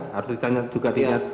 harus ditanyakan juga